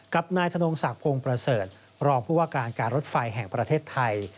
กับนายธนงศักดิ์พงศ์ประเสริฐรองผู้ว่าการการรถไฟแห่งประเทศไทย